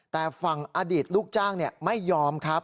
แต่ฝั่งอดีตลูกจ้างไม่ยอมครับ